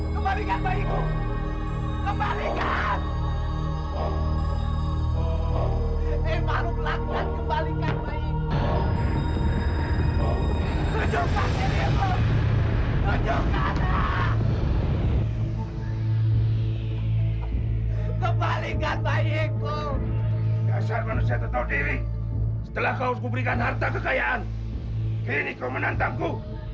kembalikan bayiku kembalikan bayiku setelah kau berikan harta kekayaan ini kau menantangku